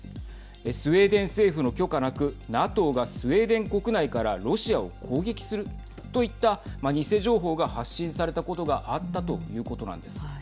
スウェーデン政府の許可なくＮＡＴＯがスウェーデン国内からロシアを攻撃するといった偽情報が発信されたことがあったということなんです。